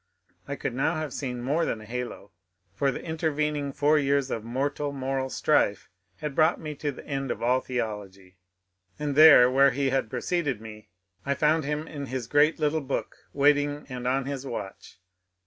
I could now have seen more than a halo ; fbr the intervening four years of " mortal moral strife " had brought me to the end of all theology. And there, where he had preceded me, I found him in his great little book, wait ing and on his watch.